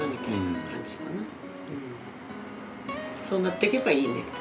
そうなっていけばいいね。